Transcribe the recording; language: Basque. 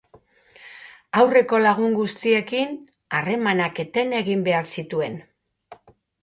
Aurreko lagun guztiekin harremanak eten egin behar zituen.